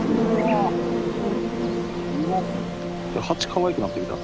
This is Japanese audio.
蜂かわいくなってきた。